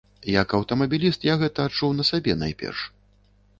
Як аўтамабіліст, я гэта адчуў на сабе найперш.